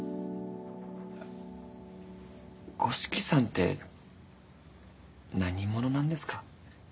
五色さんって何者なんですか？